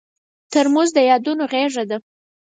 ترموز د یادونو غېږ ده.